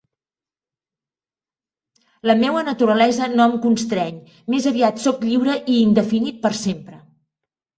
La meua naturalesa no em constreny, més aviat soc lliure i indefinit per sempre.